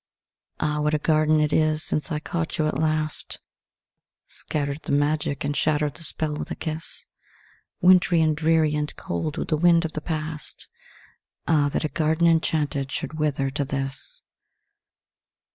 Ah, what a garden it is since I caught you at last Scattered the magic and shattered the spell with a kiss: Wintry and dreary and cold with the wind of the past, Ah that a garden enchanted should wither to this!